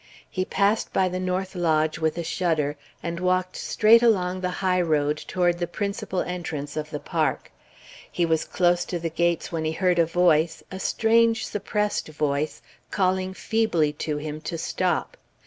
He passed by the north lodge with a shudder, and walked straight along the high road toward the principal entrance of the Park. He was close to the gates when he heard a voice a strange, suppressed voice, calling feebly to him to stop.